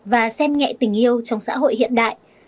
và xem nhẹ tình yêu trong xã hội hiện đại